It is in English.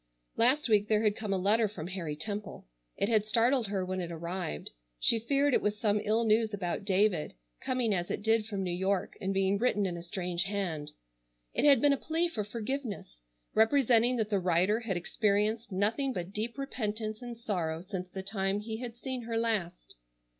Last week there had come a letter from Harry Temple. It had startled her when it arrived. She feared it was some ill news about David, coming as it did from New York and being written in a strange hand. It had been a plea for forgiveness, representing that the writer had experienced nothing but deep repentance and sorrow since the time he had seen her last.